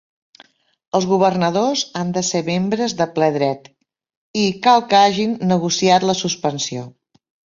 Els governadors han de ser membres de ple dret i cal que hagin negociat la suspensió.